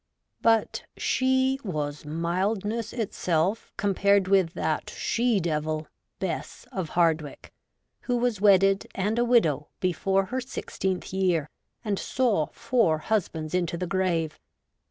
But she was mildness itself compared with that 'she devil,' Bess of Hardwicke, who was wedded and a widow before her sixteenth year, and saw four husbands into the grave.